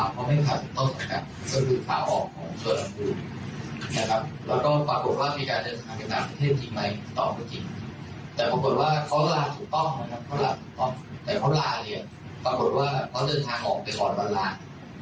เขาหลับแต่เขาลาเลยปรากฏว่าเขาเดินทางออกไปก่อนวันล่าง